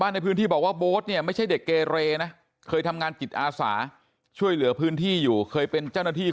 บ้านในพื้นที่บอกว่าบดมันไม่ใช่เด็กเกรรนึใช่เด็กแรรนี่